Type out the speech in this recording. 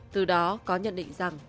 từ đó có nhận định rằng